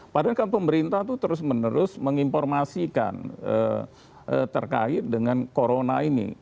padahal kan pemerintah itu terus menerus menginformasikan terkait dengan corona ini